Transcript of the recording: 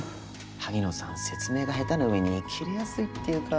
萩野さん説明が下手な上にキレやすいっていうか。